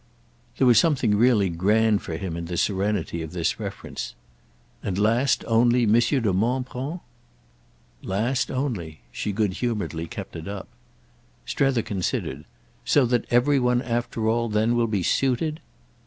There was something really grand for him in the serenity of this reference. "And last only Monsieur de Montbron?" "Last only"—she good humouredly kept it up. Strether considered. "So that every one after all then will be suited?"